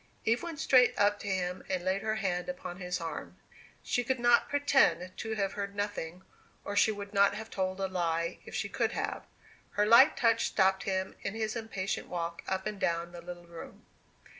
Eve went straight up to him and laid her hand upon his arm. She could not pretend to have heard nothing, and she would not have told a lie if she could. Her light touch stopped him in his impatient walk up and down the little room.